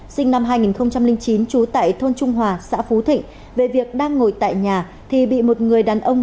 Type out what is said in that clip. sinh năm hai nghìn chín trú tại thôn trung hòa xã phú thịnh về việc đang ngồi tại nhà thì bị một người đàn ông